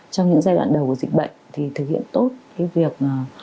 trong những giai đoạn đầu của dịch bệnh thì thực hiện tốt cái việc